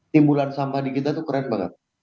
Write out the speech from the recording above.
timbulan sampah di kita tuh keren banget